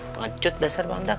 pancut dasar bangdak